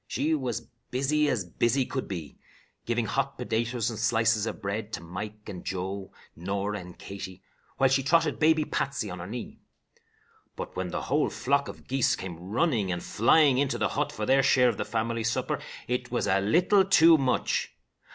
She was busy as busy could be, giving hot potatoes and slices of bread to Mike and Joe, Norah and Katie, while she trotted baby Patsy on her knee. But when the whole flock of geese came running and flying into the hut for their share of the family supper, it was a little too much.